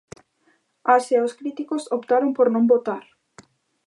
As e os críticos optaron por non votar.